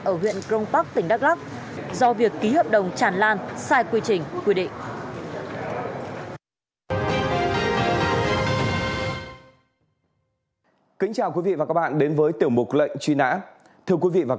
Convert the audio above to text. ở huyện crong park tỉnh đắk lắk do việc ký hợp đồng tràn lan sai quy trình quy định